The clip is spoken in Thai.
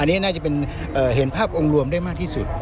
อันนี้น่าจะเป็นเห็นภาพองค์รวมได้มากที่สุด